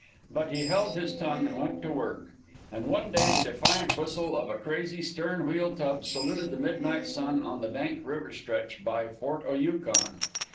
But he held his tongue and went to work, and one day the defiant whistle of a crazy stern wheel tub saluted the midnight sun on the dank river stretch by Fort o' Yukon.